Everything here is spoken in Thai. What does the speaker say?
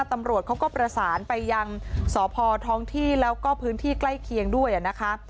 ตำรวจเขาก็ประสานไปยังสพท้องที่แล้วก็พื้นที่ใกล้เคียงด้วยนะคะ